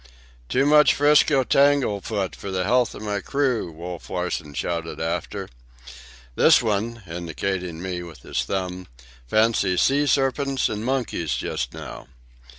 "Too much 'Frisco tanglefoot for the health of my crew!" Wolf Larsen shouted after. "This one"—indicating me with his thumb—"fancies sea serpents and monkeys just now!"